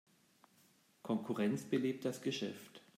Konkurrenz belebt das Geschäft.